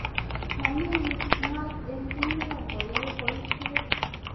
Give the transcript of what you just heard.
Mamie ngal eng ine koyai boishet